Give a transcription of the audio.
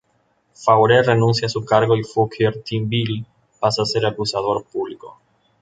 Faure renuncia a su cargo y Fouquier-Tinville pasa a ser acusador público.